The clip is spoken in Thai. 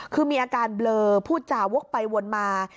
คือมีอาการเบลอพูดจาวกไปวนมา